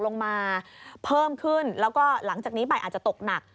แล้วก็หลังจากนี้ไปอาจจะตกหนัก